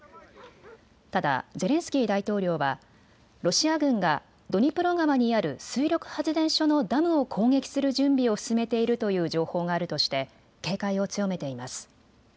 ただ、ゼレンスキー大統領はロシア軍がドニプロ川にある水力発電所のダムを攻撃する準備を進めているという情報があるとして警戒を強めています。